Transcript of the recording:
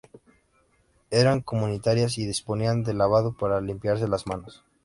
Eran comunitarias y disponían de lavabo para limpiarse las manos.